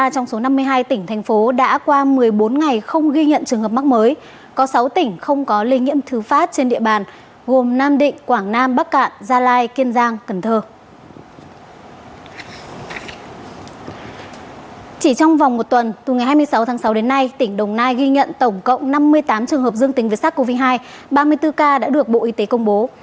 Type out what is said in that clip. chỉ trong vòng một tuần từ ngày hai mươi sáu tháng sáu đến nay tỉnh đồng nai ghi nhận tổng cộng năm mươi tám trường hợp dương tính với sars cov hai ba mươi bốn ca đã được bộ y tế công bố